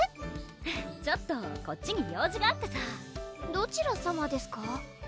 フッちょっとこっちに用事があってさどちらさまですか？